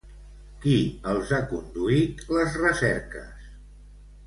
Qui els ha conduït les recerques?